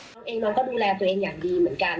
น้องเองน้องก็ดูแลตัวเองอย่างดีเหมือนกัน